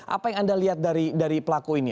apa yang anda lihat dari pelaku ini